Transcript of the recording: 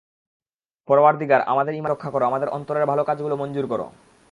পরওয়ারদিগার, আমাদের ইমানকে রক্ষা করো, আমাদের অন্তরের ভালো কাজগুলো মঞ্জুর করো।